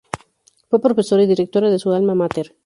Fue profesora y directora de su alma mater.